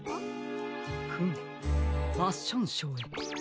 フムファッションショーへ。